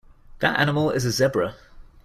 That animal is a Zebra.